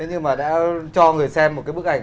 nhưng mà đã cho người xem một cái bức ảnh